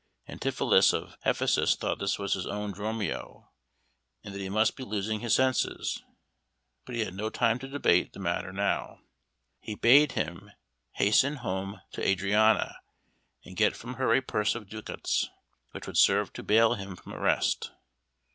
Antipholus of Ephesus thought this was his own Dromio, and that he must be losing his senses, but he had no time to debate the matter now. He bade him hasten home to Adriana and get from her a purse of ducats, which would serve to bail him from arrest.